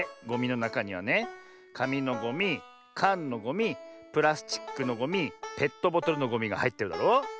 ゴミのなかにはねかみのゴミかんのゴミプラスチックのゴミペットボトルのゴミがはいってるだろ。